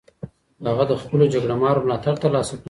هغه د خپلو جګړه مارو ملاتړ ترلاسه کړ.